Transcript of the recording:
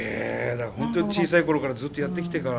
だから本当に小さい頃からずっとやってきたから。